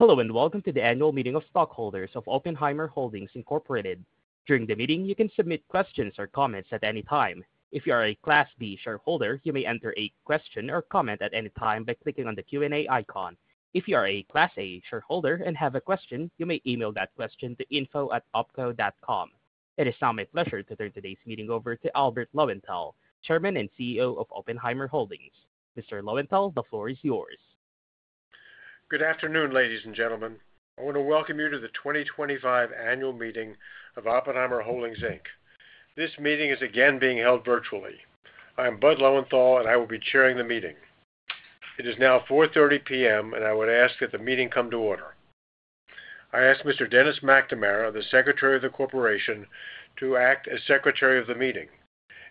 Hello and welcome to the annual meeting of stockholders of Oppenheimer Holdings. During the meeting, you can submit questions or comments at any time. If you are a Class D shareholder, you may enter a question or comment at any time by clicking on the Q&A icon. If you are a Class A shareholder and have a question, you may email that question to info@opco.com. It is now my pleasure to turn today's meeting over to Albert Lowenthal, Chairman and CEO of Oppenheimer Holdings. Mr. Lowenthal, the floor is yours. Good afternoon, ladies and gentlemen. I want to welcome you to the 2025 Annual Meeting of Oppenheimer Holdings Inc. This meeting is again being held virtually. I am Bud Lowenthal, and I will be chairing the meeting. It is now 4:30 P.M., and I would ask that the meeting come to order. I ask Mr. Dennis McNamara, the Secretary of the Corporation, to act as Secretary of the Meeting,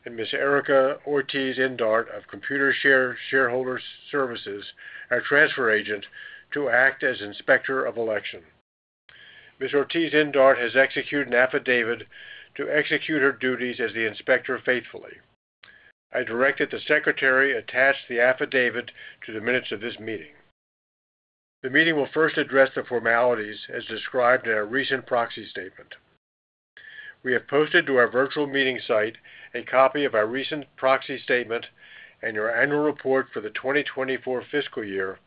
and Ms. [Erica Ortiz-Indard] of Computershare Shareholders Services, our transfer agent, to act as Inspector of Election. Ms. [Ortiz-Indard] has executed an affidavit to execute her duties as the Inspector faithfully. I direct that the Secretary attach the affidavit to the minutes of this meeting. The meeting will first address the formalities as described in our recent proxy statement. We have posted to our virtual meeting site a copy of our recent proxy statement and your annual report for the 2024 fiscal year,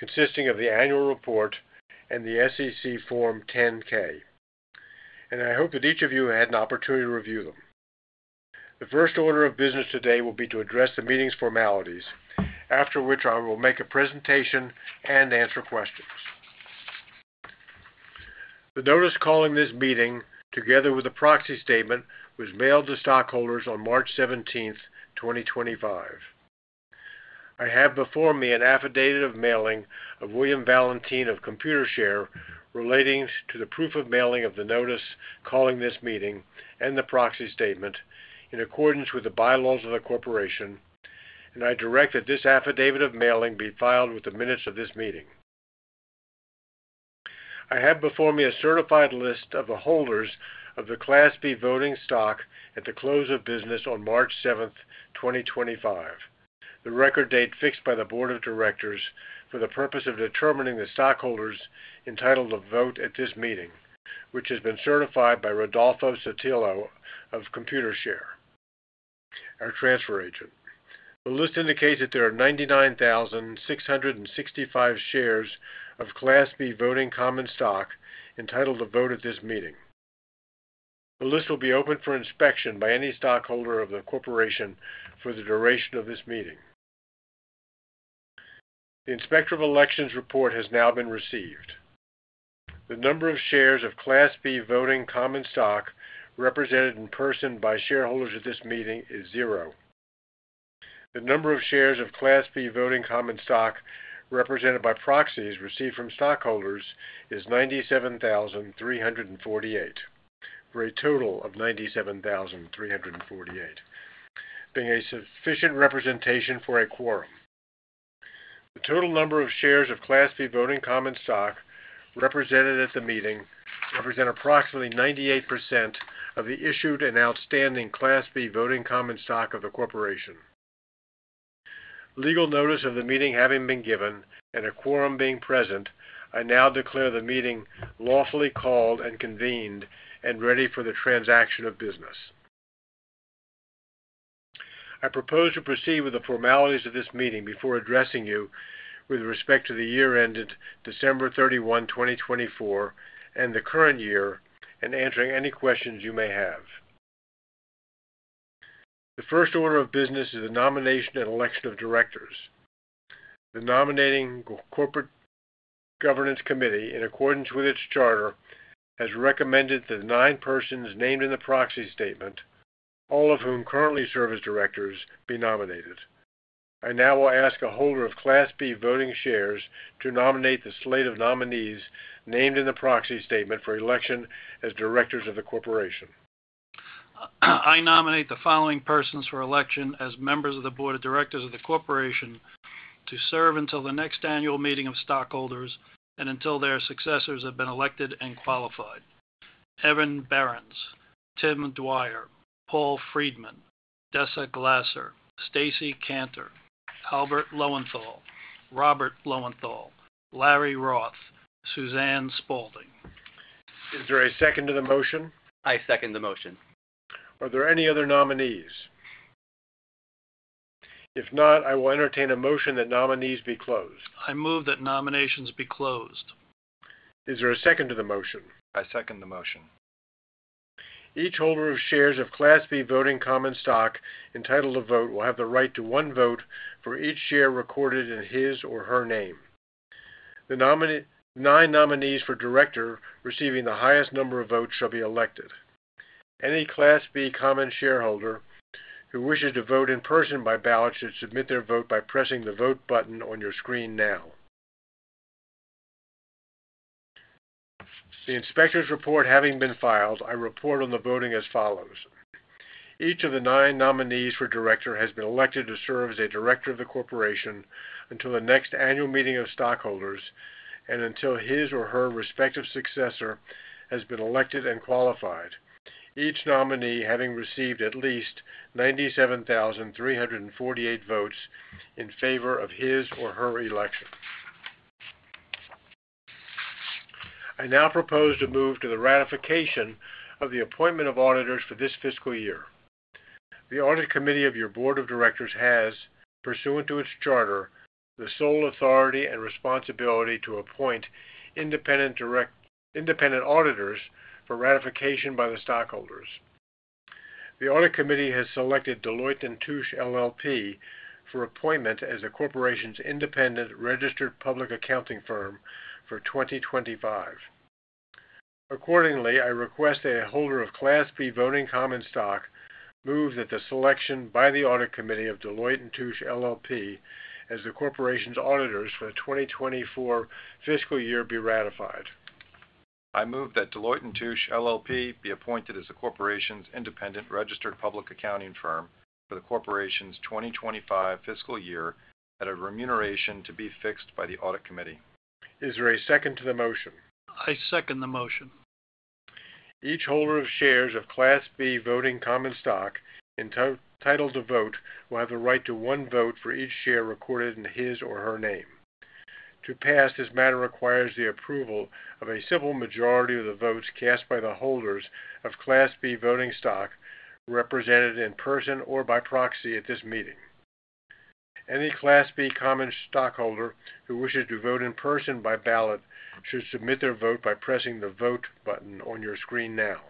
consisting of the annual report and the SEC Form 10-K. I hope that each of you had an opportunity to review them. The first order of business today will be to address the meeting's formalities, after which I will make a presentation and answer questions. The notice calling this meeting, together with the proxy statement, was mailed to stockholders on March 17, 2025. I have before me an affidavit of mailing of William Valentine of Computershare relating to the proof of mailing of the notice calling this meeting and the proxy statement in accordance with the bylaws of the Corporation, and I direct that this affidavit of mailing be filed with the minutes of this meeting. I have before me a certified list of the holders of the Class B voting stock at the close of business on March 7, 2025. The record date fixed by the Board of Directors for the purpose of determining the stockholders entitled to vote at this meeting, which has been certified by Rodolfo Sutillo of Computershare, our transfer agent. The list indicates that there are 99,665 shares of Class B voting common stock entitled to vote at this meeting. The list will be opened for inspection by any stockholder of the Corporation for the duration of this meeting. The Inspector of Elections report has now been received. The number of shares of Class B voting common stock represented in person by shareholders at this meeting is zero. The number of shares of Class B voting common stock represented by proxies received from stockholders is 97,348, for a total of 97,348, being a sufficient representation for a quorum. The total number of shares of Class B voting common stock represented at the meeting represent approximately 98% of the issued and outstanding Class B voting common stock of the Corporation. Legal notice of the meeting having been given and a quorum being present, I now declare the meeting lawfully called and convened and ready for the transaction of business. I propose to proceed with the formalities of this meeting before addressing you with respect to the year ended December 31, 2024, and the current year, and answering any questions you may have. The first order of business is the nomination and election of directors. The Nominating Corporate Governance Committee, in accordance with its charter, has recommended that the nine persons named in the proxy statement, all of whom currently serve as directors, be nominated. I now will ask a holder of Class B voting shares to nominate the slate of nominees named in the proxy statement for election as directors of the Corporation. I nominate the following persons for election as members of the Board of Directors of the Corporation to serve until the next annual meeting of stockholders and until their successors have been elected and qualified: Evan Barons, Tim Dwyer, Paul Friedman, Dessa Glasser, Stacy Kanter, Albert Lowenthal, Robert Lowenthal, Larry Roth, Suzanne Spaulding. Is there a second to the motion? I second the motion. Are there any other nominees? If not, I will entertain a motion that nominees be closed. I move that nominations be closed. Is there a second to the motion? I second the motion. Each holder of shares of Class B voting common stock entitled to vote will have the right to one vote for each share recorded in his or her name. The nine nominees for director receiving the highest number of votes shall be elected. Any Class B common shareholder who wishes to vote in person by ballot should submit their vote by pressing the vote button on your screen now. The inspector's report having been filed, I report on the voting as follows. Each of the nine nominees for director has been elected to serve as a director of the Corporation until the next annual meeting of stockholders and until his or her respective successor has been elected and qualified, each nominee having received at least 97,348 votes in favor of his or her election. I now propose to move to the ratification of the appointment of auditors for this fiscal year. The Audit Committee of your Board of Directors has, pursuant to its charter, the sole authority and responsibility to appoint independent auditors for ratification by the stockholders. The Audit Committee has selected Deloitte & Touche LLP for appointment as the Corporation's independent registered public accounting firm for 2025. Accordingly, I request that a holder of Class B voting common stock moves that the selection by the Audit Committee of Deloitte & Touche LLP as the Corporation's auditors for the 2024 fiscal year be ratified. I move that Deloitte & Touche LLP be appointed as the Corporation's independent registered public accounting firm for the Corporation's 2025 fiscal year at a remuneration to be fixed by the audit committee. Is there a second to the motion? I second the motion. Each holder of shares of Class B voting common stock entitled to vote will have the right to one vote for each share recorded in his or her name. To pass, this matter requires the approval of a civil majority of the votes cast by the holders of Class B voting stock represented in person or by proxy at this meeting. Any Class B common stockholder who wishes to vote in person by ballot should submit their vote by pressing the vote button on your screen now.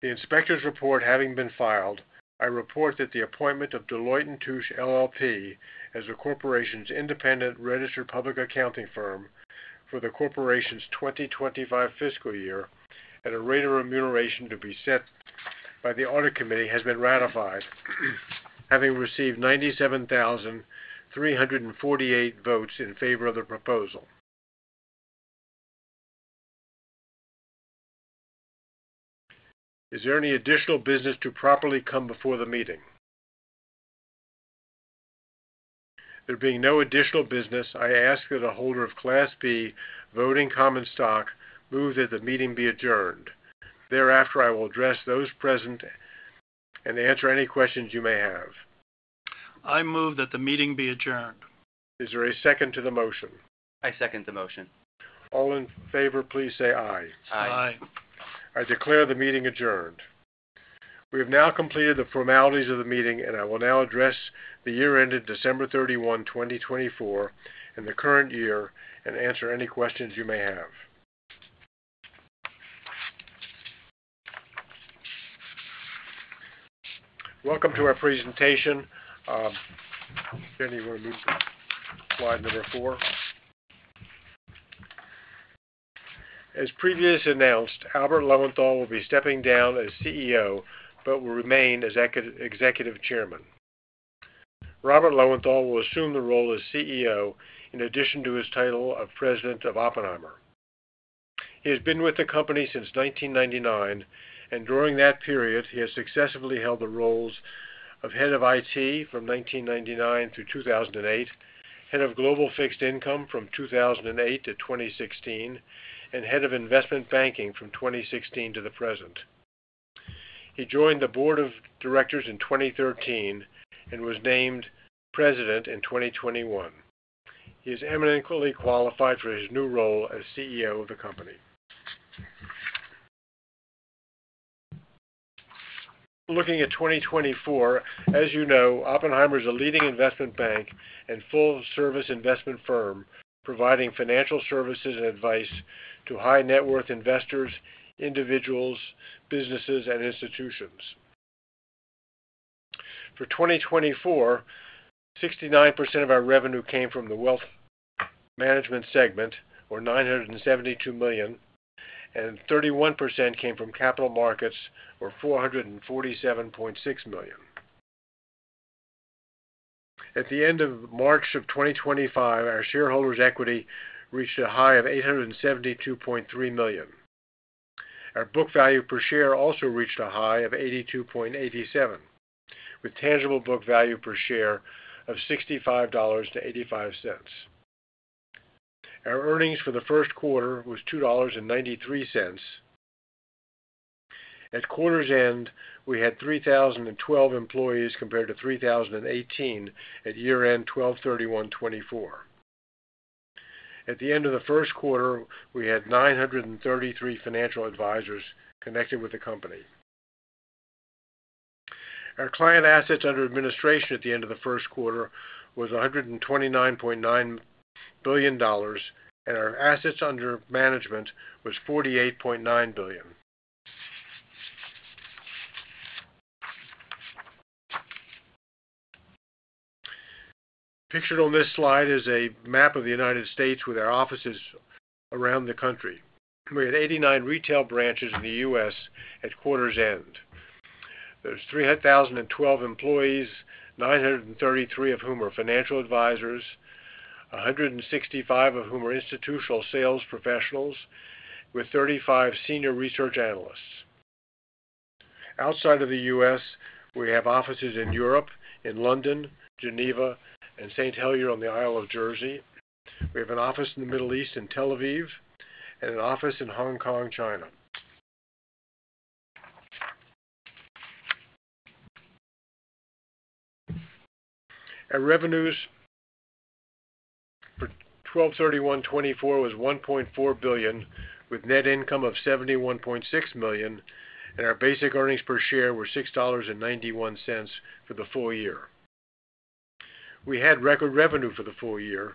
The inspector's report having been filed, I report that the appointment of Deloitte & Touche LLP as the Corporation's independent registered public accounting firm for the Corporation's 2025 fiscal year at a rate of remuneration to be set by the audit committee has been ratified, having received 97,348 votes in favor of the proposal. Is there any additional business to properly come before the meeting? There being no additional business, I ask that a holder of Class B voting common stock move that the meeting be adjourned. Thereafter, I will address those present and answer any questions you may have. I move that the meeting be adjourned. Is there a second to the motion? I second the motion. All in favor, please say aye. Aye. Aye. I declare the meeting adjourned. We have now completed the formalities of the meeting, and I will now address the year ended December 31, 2024, and the current year and answer any questions you may have. Welcome to our presentation. I'm just going to read slide number four. As previously announced, Albert Lowenthal will be stepping down as CEO but will remain as Executive Chairman. Robert Lowenthal will assume the role as CEO in addition to his title of President of Oppenheimer. He has been with the company since 1999, and during that period, he has successfully held the roles of Head of IT from 1999 through 2008, Head of Global Fixed Income from 2008 to 2016, and Head of Investment Banking from 2016 to the present. He joined the Board of Directors in 2013 and was named President in 2021. He is eminently qualified for his new role as CEO of the company. Looking at 2024, as you know, Oppenheimer is a leading investment bank and full-service investment firm providing financial services and advice to high-net-worth investors, individuals, businesses, and institutions. For 2024, 69% of our revenue came from the wealth management segment, or $972 million, and 31% came from capital markets, or $447.6 million. At the end of March of 2025, our shareholders' equity reached a high of $872.3 million. Our book value per share also reached a high of $82.87, with tangible book value per share of $65.85. Our earnings for the first quarter was $2.93. At quarter's end, we had 3,012 employees compared to 3,018 at year-end December 31, 2024. At the end of the first quarter, we had 933 financial advisors connected with the company. Our client assets under administration at the end of the first quarter was $129.9 billion, and our assets under management was $48.9 billion. Pictured on this slide is a map of the United States with our offices around the country. We had 89 retail branches in the U.S. at quarter's end. There are 3,012 employees, 933 of whom are financial advisors, 165 of whom are institutional sales professionals, with 35 senior research analysts. Outside of the U.S., we have offices in Europe, in London, Geneva, and Saint Helier on the Isle of Jersey. We have an office in the Middle East in Tel Aviv and an office in Hong Kong, China. Our revenues for 12/31/2024 was $1.4 billion, with net income of $71.6 million, and our basic earnings per share were $6.91 for the full year. We had record revenue for the full year,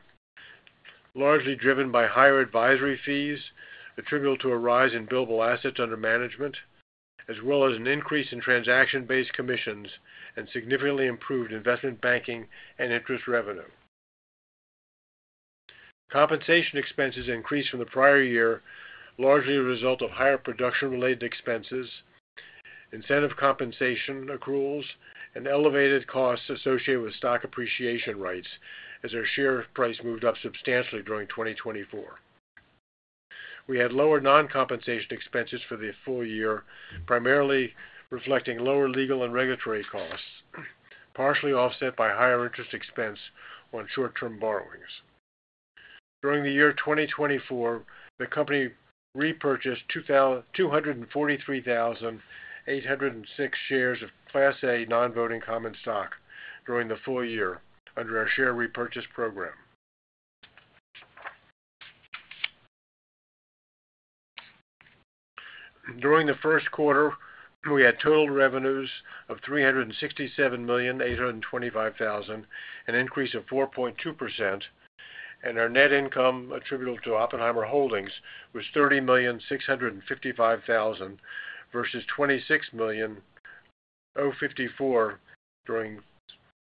largely driven by higher advisory fees attributable to a rise in billable assets under management, as well as an increase in transaction-based commissions and significantly improved investment banking and interest revenue. Compensation expenses increased from the prior year, largely a result of higher production-related expenses, incentive compensation accruals, and elevated costs associated with stock appreciation rights, as our share price moved up substantially during 2024. We had lower non-compensation expenses for the full year, primarily reflecting lower legal and regulatory costs, partially offset by higher interest expense on short-term borrowings. During the year 2024, the company repurchased 243,806 shares of Class A non-voting common stock during the full year under our share repurchase program. During the first quarter, we had total revenues of $367,825,000, an increase of 4.2%, and our net income attributable to Oppenheimer Holdings was $30,655,000 versus $26,054,000 during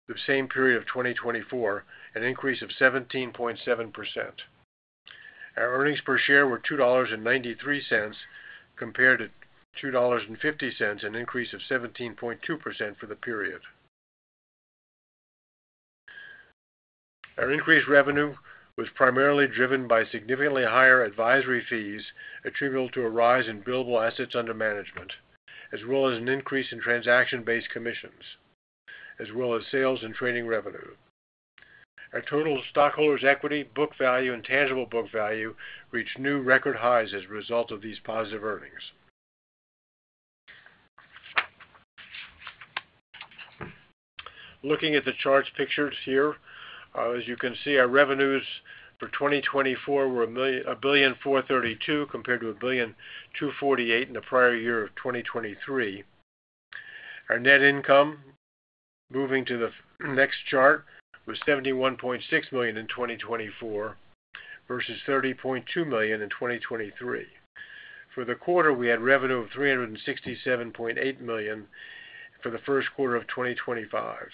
the same period of 2024, an increase of 17.7%. Our earnings per share were $2.93 compared to $2.50, an increase of 17.2% for the period. Our increased revenue was primarily driven by significantly higher advisory fees attributable to a rise in billable assets under management, as well as an increase in transaction-based commissions, as well as sales and trading revenue. Our total stockholders' equity, book value, and tangible book value reached new record highs as a result of these positive earnings. Looking at the charts pictured here, as you can see, our revenues for 2024 were $1,432,000,000 compared to $1,248,000,000 in the prior year of 2023. Our net income, moving to the next chart, was $71.6 million in 2024 versus $30.2 million in 2023. For the quarter, we had revenue of $367.8 million for the first quarter of 2025.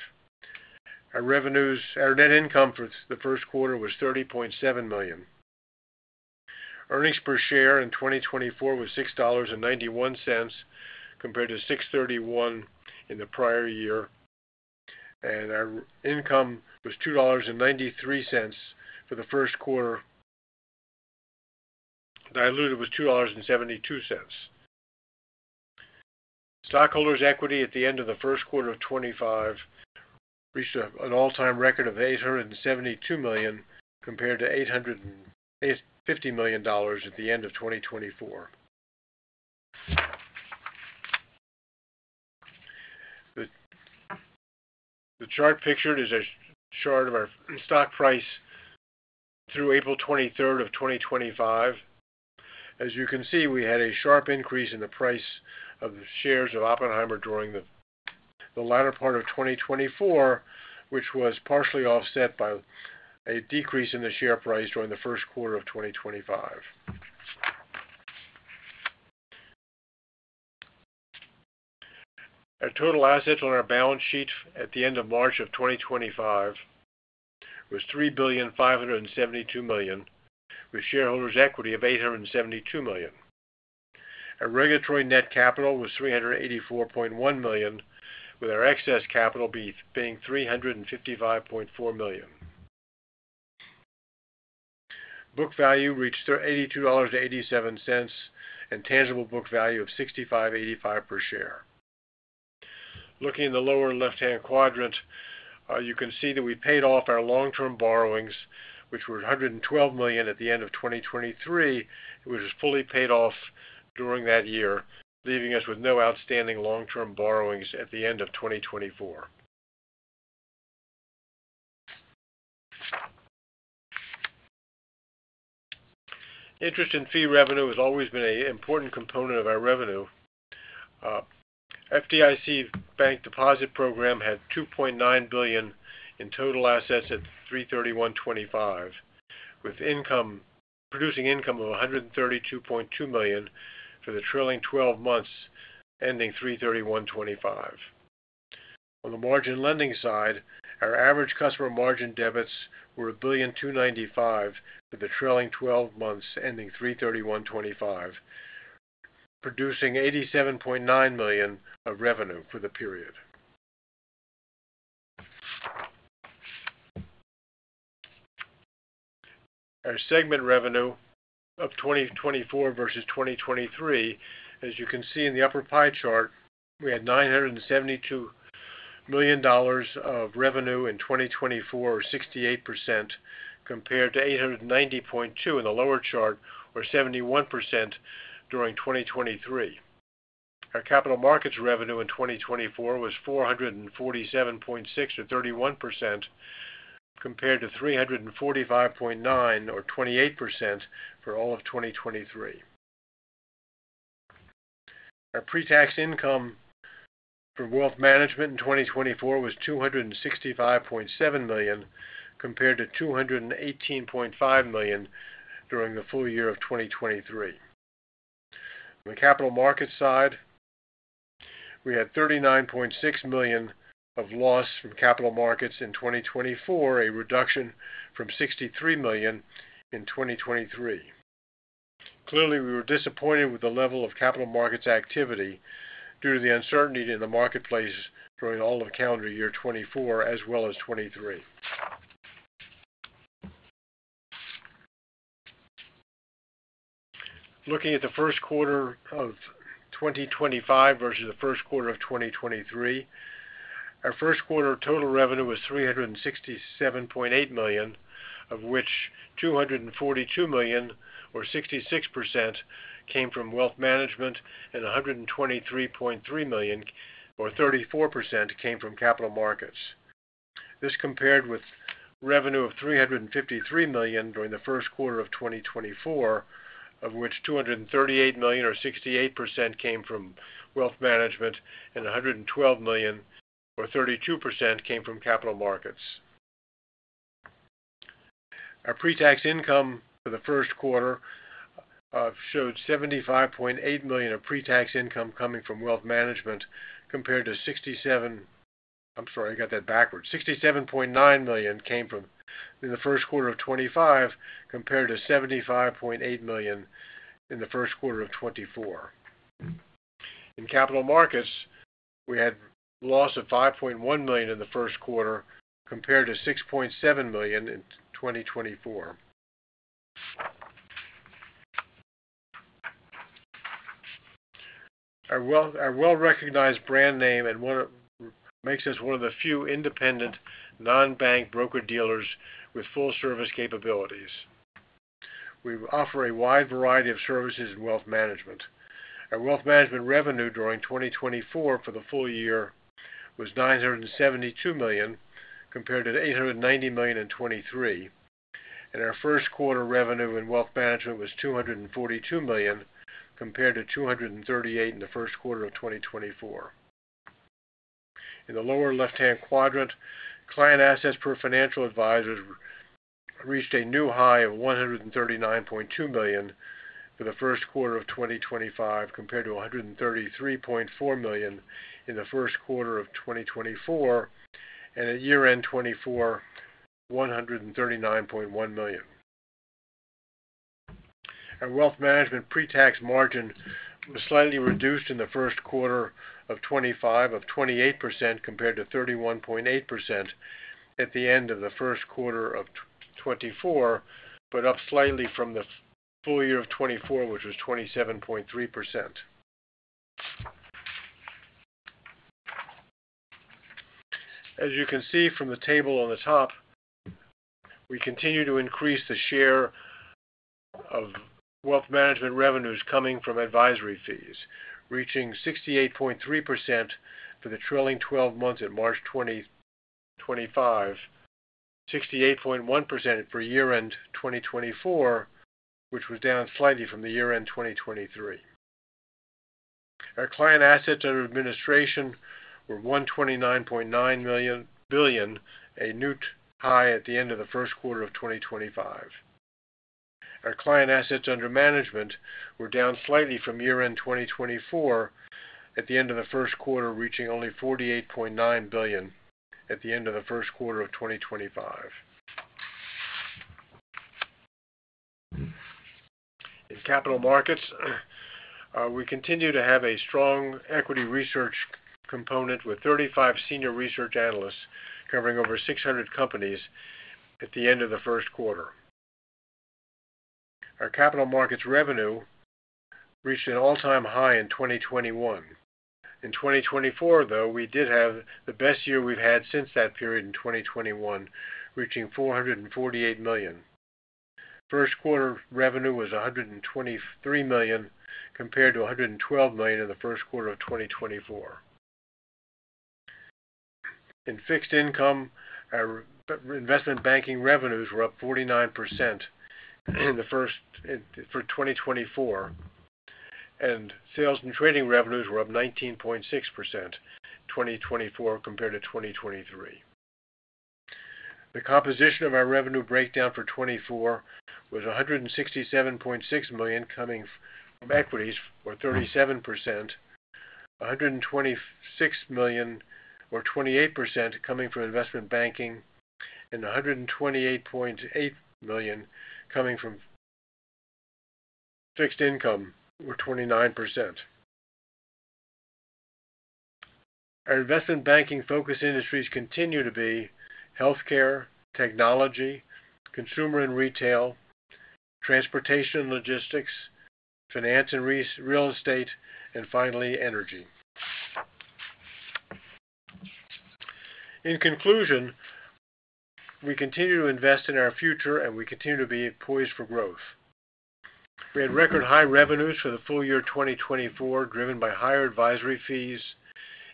Our net income for the first quarter was $30.7 million. Earnings per share in 2024 was $6.91 compared to $6.31 in the prior year, and our income was $2.93 for the first quarter, diluted with $2.72. Stockholders' equity at the end of the first quarter of 2025 reached an all-time record of $872 million compared to $850 million at the end of 2024. The chart pictured is a chart of our stock price through April 23rd of 2025. As you can see, we had a sharp increase in the price of shares of Oppenheimer during the latter part of 2024, which was partially offset by a decrease in the share price during the first quarter of 2025. Our total assets on our balance sheet at the end of March of 2025 was $3,572,000,000, with shareholders' equity of $872 million. Our regulatory net capital was $384.1 million, with our excess capital being $355.4 million. Book value reached $82.87 and tangible book value of $65.85 per share. Looking in the lower left-hand quadrant, you can see that we paid off our long-term borrowings, which were $112 million at the end of 2023, which was fully paid off during that year, leaving us with no outstanding long-term borrowings at the end of 2024. Interest and fee revenue has always been an important component of our revenue. FDIC Bank Deposit Program had $2.9 billion in total assets at 3/31/25, with producing income of $132.2 million for the trailing 12 months ending 3/31/25. On the margin lending side, our average customer margin debits were $1.295 billion for the trailing 12 months ending March 31, 2025, producing $87.9 million of revenue for the period. Our segment revenue of 2024 versus 2023, as you can see in the upper pie chart, we had $972 million of revenue in 2024, or 68%, compared to $890.2 million in the lower chart, or 71% during 2023. Our capital markets revenue in 2024 was $447.6 million, or 31%, compared to $345.9 million, or 28% for all of 2023. Our pre-tax income for wealth management in 2024 was $265.7 million compared to $218.5 million during the full year of 2023. On the capital markets side, we had $39.6 million of loss from capital markets in 2024, a reduction from $63 million in 2023. Clearly, we were disappointed with the level of capital markets activity due to the uncertainty in the marketplace during all of calendar year 2024 as well as 2023. Looking at the first quarter of 2025 versus the first quarter of 2023, our first quarter total revenue was $367.8 million, of which $242 million, or 66%, came from wealth management, and $123.3 million, or 34%, came from capital markets. This compared with revenue of $353 million during the first quarter of 2024, of which $238 million, or 68%, came from wealth management, and $112 million, or 32%, came from capital markets. Our pre-tax income for the first quarter showed $75.8 million of pre-tax income coming from wealth management compared to $67.9 million came from in the first quarter of 2025 compared to $75.8 million in the first quarter of 2024. In capital markets, we had a loss of $5.1 million in the first quarter compared to $6.7 million in 2024. Our well-recognized brand name makes us one of the few independent non-bank broker-dealers with full-service capabilities. We offer a wide variety of services in wealth management. Our wealth management revenue during 2024 for the full year was $972 million compared to $890 million in 2023, and our first quarter revenue in wealth management was $242 million compared to $238 million in the first quarter of 2024. In the lower left-hand quadrant, client assets per financial advisor reached a new high of $139.2 million for the first quarter of 2025 compared to $133.4 million in the first quarter of 2024, and at year-end 2024, $139.1 million. Our wealth management pre-tax margin was slightly reduced in the first quarter of 2025 to 28% compared to 31.8% at the end of the first quarter of 2024, but up slightly from the full year of 2024, which was 27.3%. As you can see from the table on the top, we continue to increase the share of wealth management revenues coming from advisory fees, reaching 68.3% for the trailing 12 months at March 2025, 68.1% for year-end 2024, which was down slightly from the year-end 2023. Our client assets under administration were $129.9 billion, a new high at the end of the first quarter of 2025. Our client assets under management were down slightly from year-end 2024 at the end of the first quarter, reaching only $48.9 billion at the end of the first quarter of 2025. In capital markets, we continue to have a strong equity research component with 35 senior research analysts covering over 600 companies at the end of the first quarter. Our capital markets revenue reached an all-time high in 2021. In 2024, though, we did have the best year we've had since that period in 2021, reaching $448 million. First quarter revenue was $123 million compared to $112 million in the first quarter of 2024. In fixed income, our investment banking revenues were up 49% for 2024, and sales and trading revenues were up 19.6% in 2024 compared to 2023. The composition of our revenue breakdown for 2024 was $167.6 million coming from equities, or 37%, $126.8 million coming from investment banking, and $128.8 million coming from fixed income, or 29%. Our investment banking focus industries continue to be healthcare, technology, consumer and retail, transportation and logistics, finance and real estate, and finally, energy. In conclusion, we continue to invest in our future, and we continue to be poised for growth. We had record high revenues for the full year 2024, driven by higher advisory fees,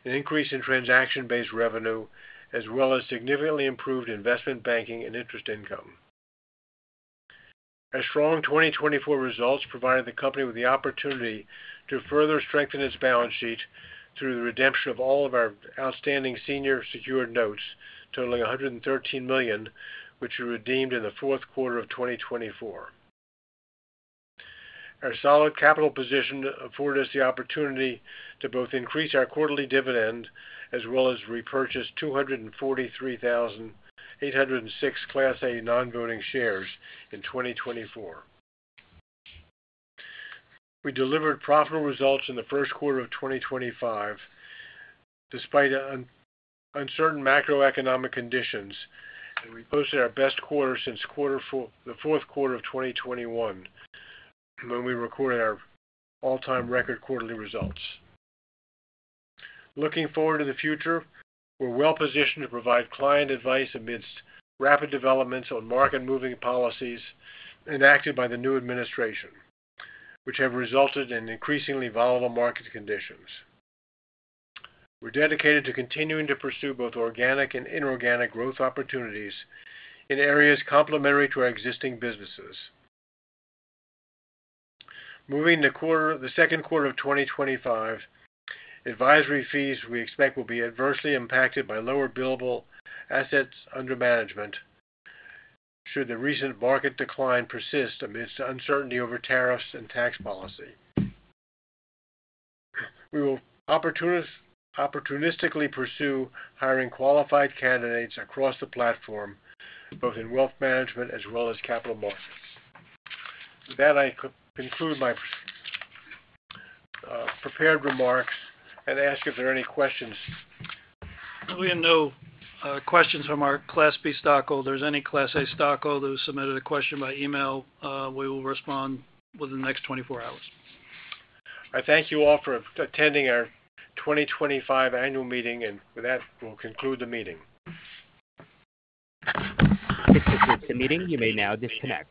an increase in transaction-based revenue, as well as significantly improved investment banking and interest income. Our strong 2024 results provided the company with the opportunity to further strengthen its balance sheet through the redemption of all of our outstanding senior secured notes, totaling $113 million, which were redeemed in the fourth quarter of 2024. Our solid capital position afforded us the opportunity to both increase our quarterly dividend as well as repurchase 243,806 Class A non-voting shares in 2024. We delivered profitable results in the first quarter of 2025 despite uncertain macroeconomic conditions, and we posted our best quarter since the fourth quarter of 2021 when we recorded our all-time record quarterly results. Looking forward to the future, we're well positioned to provide client advice amidst rapid developments on market-moving policies enacted by the new administration, which have resulted in increasingly volatile market conditions. We're dedicated to continuing to pursue both organic and inorganic growth opportunities in areas complementary to our existing businesses. Moving to the second quarter of 2025, advisory fees we expect will be adversely impacted by lower billable assets under management should the recent market decline persist amidst uncertainty over tariffs and tax policy. We will opportunistically pursue hiring qualified candidates across the platform, both in wealth management as well as capital markets. With that, I conclude my prepared remarks and ask if there are any questions. We have no questions from our Class B stockholders. Any Class A stockholders submitted a question by email, we will respond within the next 24 hours. All right, thank you all for attending our 2025 annual meeting, and with that, we'll conclude the meeting. This is the meeting. You may now disconnect.